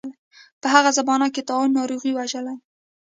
په هغه زمانه کې طاعون ناروغۍ وژلي.